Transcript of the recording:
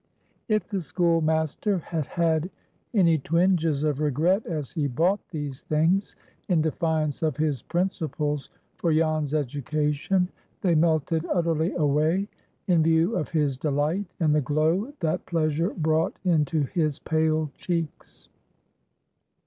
If the schoolmaster had had any twinges of regret as he bought these things, in defiance of his principles for Jan's education, they melted utterly away in view of his delight, and the glow that pleasure brought into his pale cheeks.